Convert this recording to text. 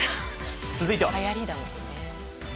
続いては。